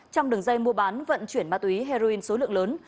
trong đường dây mua bán vận chuyển ma túy heroin số lượng lớn